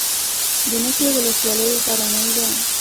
د نکې ولسوالۍ غرنۍ ده